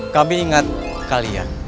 kami ingat kalian